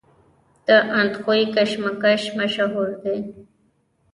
د اندخوی کشمش مشهور دي